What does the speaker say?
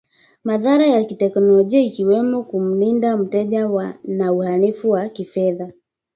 madhara ya kiteknolojia ikiwemo kumlinda mteja na uhalifu wa kifedha